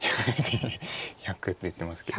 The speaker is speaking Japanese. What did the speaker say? １００って言ってますけど。